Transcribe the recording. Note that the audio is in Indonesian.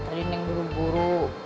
tadi neng buru buru